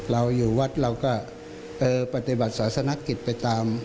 เราอยู่วัดเราก็ปฏิบัติศาสนกิจไปตาม